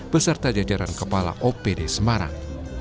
beserta jajaran kepala opd semarang